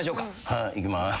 はいいきます。